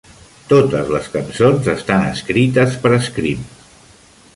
Totes les cançons estan escrites per Scream.